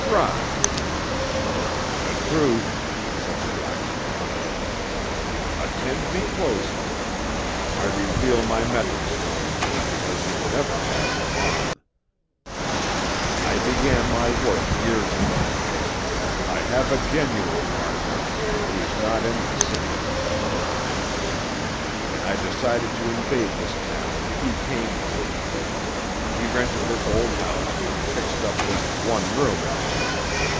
"Rot!" "The truth," said the Black Star. "Attend me closely. I reveal my methods to you, because you'll never pass them on. I began my work years ago. I have a genuine partner, who is not in this city at the present time. When I decided to invade this town he came here. He rented this old house and fixed up this one room in it.